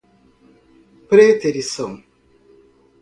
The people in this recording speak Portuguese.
preterição